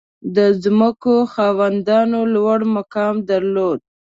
• د ځمکو خاوندان لوړ مقام درلود.